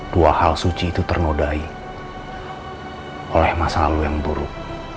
dua hal suci itu ternodai oleh masa lalu yang buruk